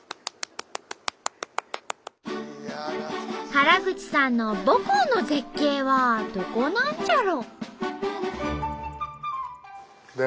原口さんの母校の絶景はどこなんじゃろ？